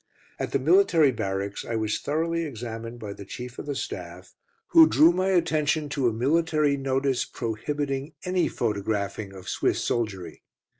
At the military barracks I was thoroughly examined by the chief of the staff, who drew my attention to a military notice, prohibiting any photographing of Swiss soldiery.